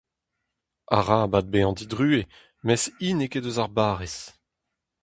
Arabat bezañ didruez, mes hi n'eo ket eus ar barrez.